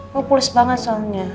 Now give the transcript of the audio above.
kamu pulis banget soalnya